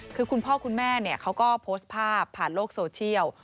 คือคุณพ่อคุณแม่เขาก็โพสต์ภาพผ่านโลกโซเชียล